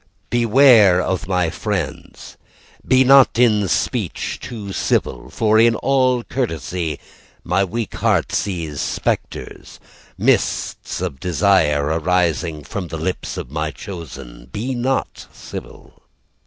Beware of my friends, Be not in speech too civil, For in all courtesy My weak heart sees spectres, Mists of desire Arising from the lips of my chosen; Be not civil.